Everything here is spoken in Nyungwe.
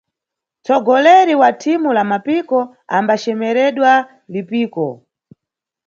Nʼtsogoleri wa thimu la Mapiko ambacemeredwa Lipiko.